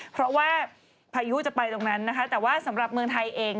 เพราะว่าพายุจะไปตรงนั้นนะคะแต่ว่าสำหรับเมืองไทยเอง